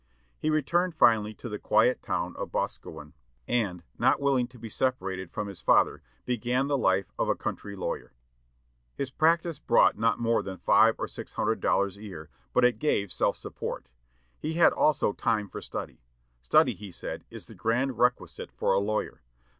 He returned finally to the quiet town of Boscawen, and, not willing to be separated from his father, began the life of a country lawyer. His practice brought not more than five or six hundred dollars a year, but it gave self support. He had also time for study. "Study," he said, "is the grand requisite for a lawyer.